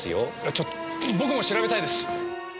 ちょっと僕も調べたいです。